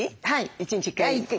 １日１回。